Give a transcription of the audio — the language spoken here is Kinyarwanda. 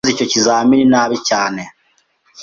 Nakoze icyo kizamini nabi cyane.